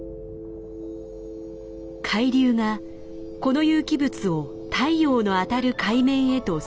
海流がこの有機物を太陽の当たる海面へとすくい上げる。